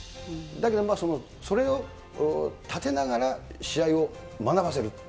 だけどまあ、それを立てながら、試合を学ばせる。